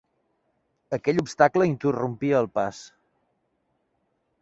Aquell obstacle interrompia el pas.